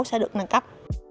sẽ được nâng cấp